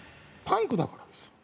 パンクだからですよ。